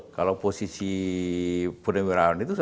kalau posisi purni mirawan itu